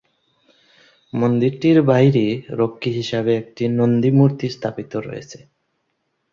মন্দিরটির বাইরে রক্ষী হিসেবে একটি নন্দী মূর্তি স্থাপিত রয়েছে।